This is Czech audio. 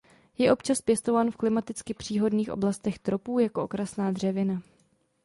Je občas pěstován v klimaticky příhodných oblastech tropů jako okrasná dřevina.